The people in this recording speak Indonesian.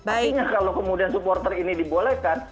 artinya kalau kemudian supporter ini dibolehkan